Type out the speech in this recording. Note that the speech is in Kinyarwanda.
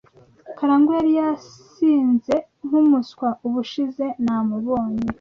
Karangwa yari yasinze nkumuswa ubushize namubonye.